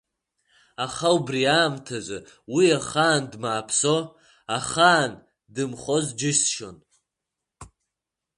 Аха убри аамҭазы уи ахаан дмааԥсо, ахаан дымхоз џьысшьон.